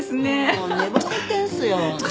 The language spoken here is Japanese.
もう寝ぼけてるんですよ。